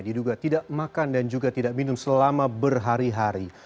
diduga tidak makan dan juga tidak minum selama berhari hari